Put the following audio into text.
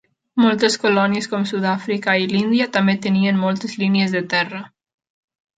Moltes colònies com Sud-àfrica i l'Índia també tenien moltes línies de terra.